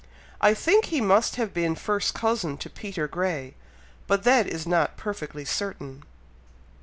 I think he must have been first cousin to Peter Grey, but that is not perfectly certain.